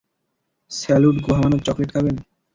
Salute গুহামানব chocolate খাবেন?